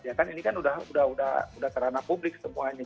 ya kan ini kan udah teranak publik semuanya